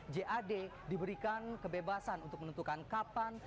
jad diberikan kebebasan untuk menentukan kapan